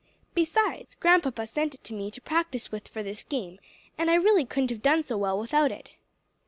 Besides, Grandpapa sent it to me to practise with for this game, and I really couldn't have done so well without it."